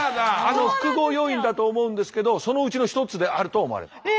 複合要因だと思うんですけどそのうちの一つであると思われます。